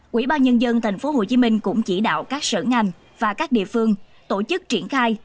quỹ ban nhân dân tp hcm cũng chỉ đạo các sở ngành và các địa phương tổ chức triển khai